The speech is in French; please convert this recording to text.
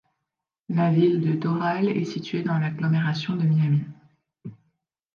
La ville de Doral est située dans l'agglomération de Miami.